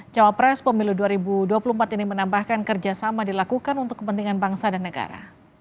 cawapres pemilu dua ribu dua puluh empat ini menambahkan kerjasama dilakukan untuk kepentingan bangsa dan negara